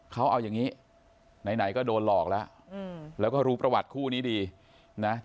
เขาเอาอย่างนี้ไหนก็โดนหลอกแล้วแล้วก็รู้ประวัติคู่นี้ดีนะ